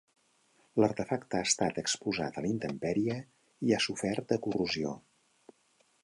L'artefacte ha estat exposat a la intempèrie i ha sofert de corrosió.